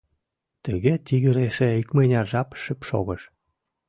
Тыге тигр эше икмыняр жап шып шогыш.